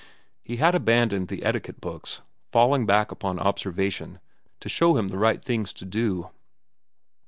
He had abandoned the etiquette books, falling back upon observation to show him the right things to do.